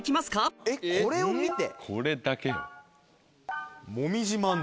これだけ。